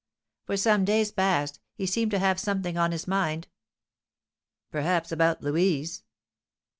"For some days past he seemed to have something on his mind." "Perhaps about Louise."